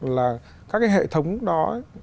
là các hệ thống đó